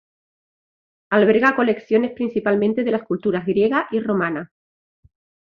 Alberga colecciones principalmente de las culturas griega y romana.